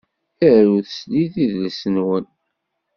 Arut slid idles-nwen